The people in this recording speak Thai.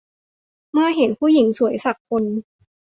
เมื่อเห็นผู้หญิงสวยสักคน